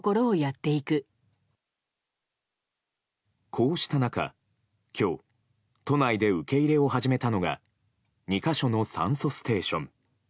こうした中、今日都内で受け入れを始めたのが２か所の酸素ステーション。